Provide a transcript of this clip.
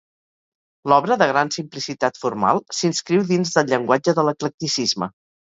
L'obra, de gran simplicitat formal, s'inscriu dins del llenguatge de l'eclecticisme.